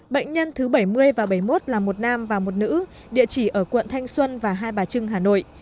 bệnh nhân thứ bảy mươi và bảy mươi một là một nam và một nữ địa chỉ ở quận thanh xuân và hai bà trưng hà nội